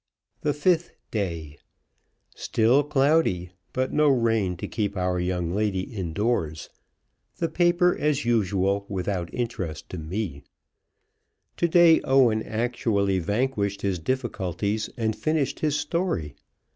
THE FIFTH DAY. STILL cloudy, but no rain to keep our young lady indoors. The paper, as usual, without interest to me. To day Owen actually vanquished his difficulties and finished his story.